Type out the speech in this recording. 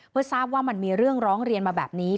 เพื่อทราบว่ามันมีเรื่องร้องเรียนมาแบบนี้